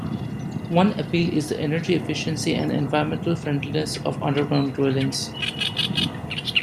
One appeal is the energy efficiency and environmental friendliness of underground dwellings.